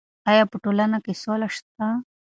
ایا په ټولنه کې سوله شته؟